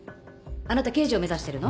あなた刑事を目指してるの？